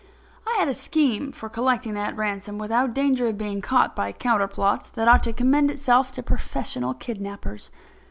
I had a scheme for collecting that ransom without danger of being caught by counterplots that ought to commend itself to professional kidnappers.